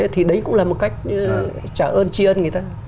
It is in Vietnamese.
thì đấy cũng là một cách trả ơn chi ơn người ta